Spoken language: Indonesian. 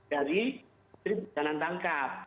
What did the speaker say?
dari peribu tanan tangkap